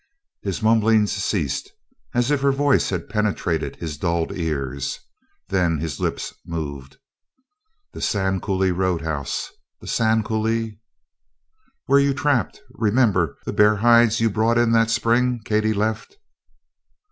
His mumblings ceased as if her voice had penetrated his dulled ears. Then his lips moved: "The Sand Coulee Roadhouse the Sand Coulee " "Where you trapped. Remember the bear hides you brought in that spring Katie left?"